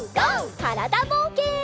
からだぼうけん。